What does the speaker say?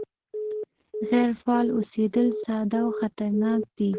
غیر فعال اوسېدل ساده او خطرناک دي